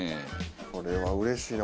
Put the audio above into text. これはうれしいな。